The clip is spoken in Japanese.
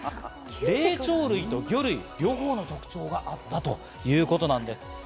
霊長類と魚類、両方の特徴があったということなんです。